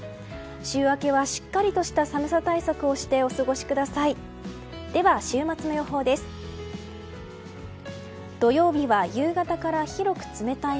週明けはしっかりとした寒さ対策をしてお過ごしください。